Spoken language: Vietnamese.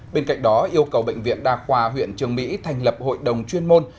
bên cạnh đó yêu cầu bệnh viện đa khoa huyện trường mỹ thành lập hội đồng chuyên môn